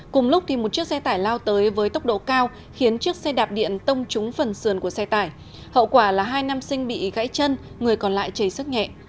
cùng lúc một chiếc xe tải lao tới với tốc độ cao khiến chiếc xe đạp điện tông trúng phần sườn của xe tải hậu quả là hai nam sinh bị gãy chân người còn lại chảy sức nhẹ